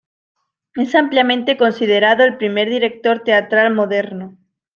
Es ampliamente considerado el primer director teatral moderno.